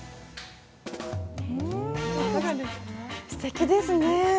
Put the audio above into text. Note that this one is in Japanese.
すてきですね。